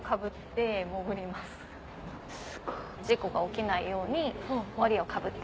すごい。事故が起きないように檻をかぶって。